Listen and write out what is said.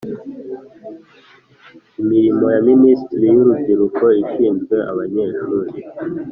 Imirimo Ya Minisiteri Y Urubyiruko Ishinzwe Abanyeshuri